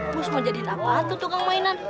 bos mau jadiin apaan tuh tukang mainan